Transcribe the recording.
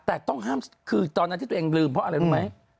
แต่ต้องห้ามคือตอนนั้นที่ตัวเองลืมเพราะอะไรรู้ไหม